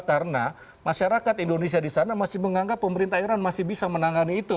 karena masyarakat indonesia di sana masih menganggap pemerintah iran masih bisa menangani itu